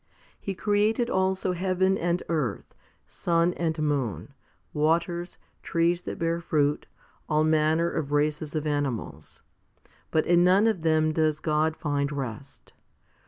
He created also heaven and earth, sun and moon, waters, trees that bear fruit, all manner of races of animals. But in none of them does God find rest.